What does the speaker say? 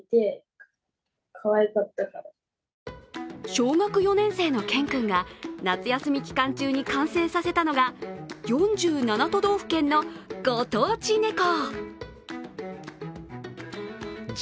小学４年生のＫＥＮ君が夏休み期間中に完成させたのが４７都道府県のご当地ネコ。